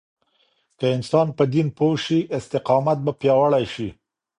که انسان په دين پوه شي، استقامت به پیاوړی شي.